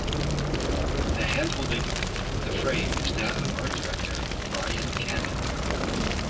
The hand holding the frame is that of art director Brian Cannon.